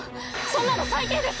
そんなの最低です！